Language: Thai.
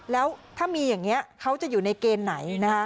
แล้วถ้ามีอย่างนี้เขาจะอยู่ในเกณฑ์ไหนนะคะ